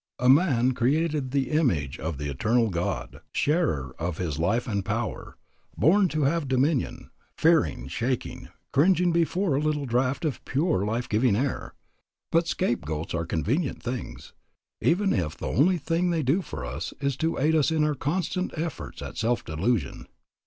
A man created in the image of the eternal God, sharer of His life and power, born to have dominion, fearing, shaking, cringing before a little draft of pure life giving air. But scapegoats are convenient things, even if the only thing they do for us is to aid us in our constant efforts at self delusion.